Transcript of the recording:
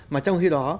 mà trong khi đó